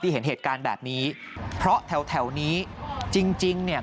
ที่เห็นเหตุการณ์แบบนี้เพราะแถวนี้จริงเนี่ย